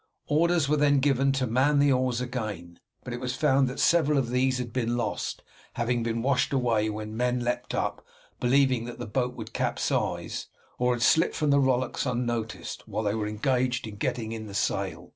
Orders were then given to man the oars again but it was found that several of these had been lost, having been washed away when the men leapt up, believing that the boat would capsize, or had slipped from the rowlocks unnoticed while they were engaged in getting in the sail.